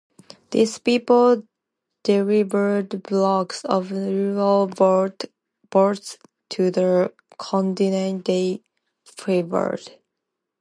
These people delivered blocks of rural votes to the candidates they favored.